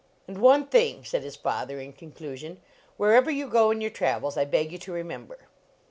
"And one thing," said his father in con clusion, " wherever you go in your travels, I beg you to remember."